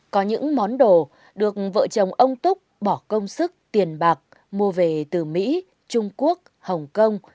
có những món đồ được vợ chồng ông túc bỏ công sức tiền bạc mua về từ mỹ trung quốc hồng kông